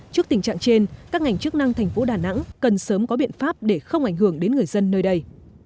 trước tình trạng trên các ngành chức năng thành phố đà nẵng cần sớm có biện pháp để không ảnh hưởng đến người dân nơi đây